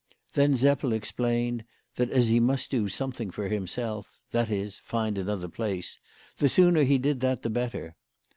Then Seppel explained, that as he must do something for himself, that is, find another place, the sooner he did that the better.